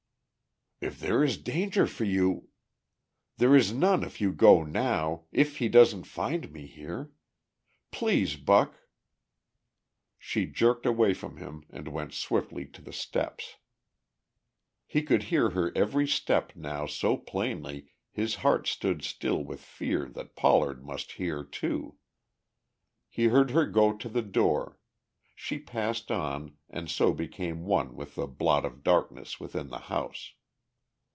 "If there is danger for you..." "There is none if you go now ... if he doesn't find me here. Please, Buck...." She jerked away from him and went swiftly to the steps. He could hear her every step now so plainly his heart stood still with fear that Pollard must hear, too. He heard her go to the door; she passed on, and so became one with the blot of darkness within the house.